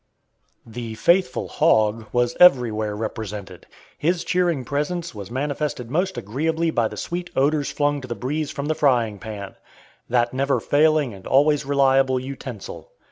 The faithful hog was everywhere represented. His cheering presence was manifested most agreeably by the sweet odors flung to the breeze from the frying pan, that never failing and always reliable utensil.